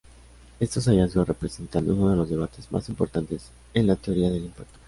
Estos hallazgos representan uno de los debates más importantes en la teoría del impacto.